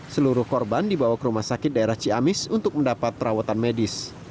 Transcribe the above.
seluruh korban dibawa ke rumah sakit daerah ciamis untuk mendapat perawatan medis